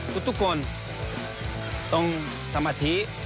ทุกคนต้องสมาธิ